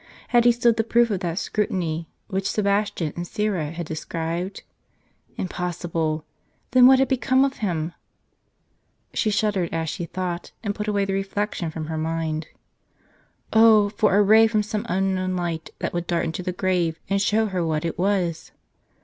Had he stood the proof of that scrutiny which Sebastian and Syra had described ? Impos sible ! Then what had become of him ?" She shuddered as she thought, and put away the reflection from her mind. Oh, for a ray from some unknown light, that would dart into the grave, and show her what it was